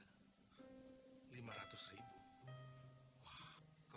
lima ratus ribu wah kalau segitu tuh saya nggak punya kan